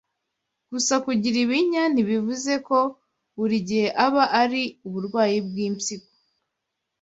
Gusa kugira ibinya ntibivuze ko buri igihe aba ari uburwayi bw’impyiko